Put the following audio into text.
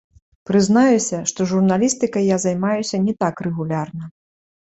Прызнаюся, што журналістыкай я займаюся не так рэгулярна.